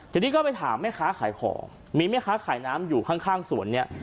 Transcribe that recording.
ทีนี้ก็ไปถามแม่ค้าขายของมีแม่ค้าขายน้ำอยู่ข้างสวนเนี่ย